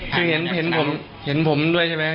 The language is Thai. คือเห็นผมด้วยใช่ไหม